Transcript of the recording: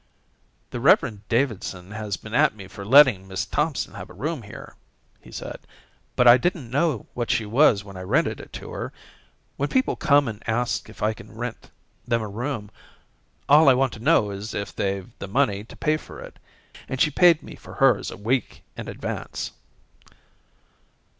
"The Rev. Davidson has been at me for letting Miss Thompson have a room here," he said, "but I didn't know what she was when I rented it to her. When people come and ask if I can rent them a room all I want to know is if they've the money to pay for it. And she paid me for hers a week in advance."